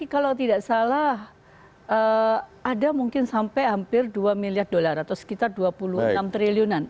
kalau tidak salah ada mungkin sampai hampir dua miliar dolar atau sekitar dua puluh enam triliunan